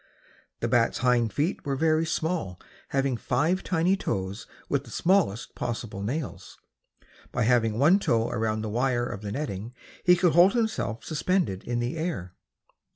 The bat's hind feet were very small, having five tiny toes with the smallest possible nails. By having one toe around the wire of the netting he could hold himself suspended in the air.